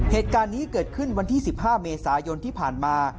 เหตุการณ์นี้เกิดขึ้นวันที่๑๕เมษายนที่ผ่านมา